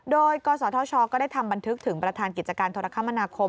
โดยกศธชก็ได้ทำบันทึกถึงประธานกิจการโทรคมนาคม